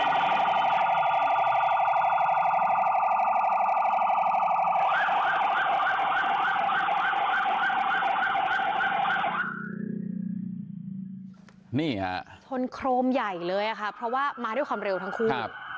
แปบนี้ครับทนโครมใหญ่เลยอ่ะค่ะเพราะว่ามาด้วยคำเร็วทั้งคู่ครับ